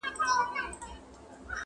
• را په برخه له ستړیا سره خواري ده -